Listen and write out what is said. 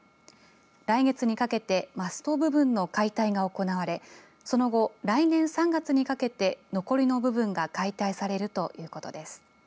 来月にかけてマスト部分の解体が行われその後、来年３月にかけて残りの部分が解体されるということです。